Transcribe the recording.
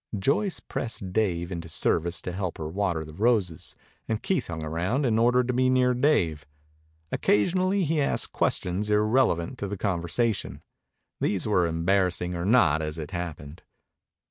Joyce pressed Dave into service to help her water the roses, and Keith hung around in order to be near Dave. Occasionally he asked questions irrelevant to the conversation. These were embarrassing or not as it happened.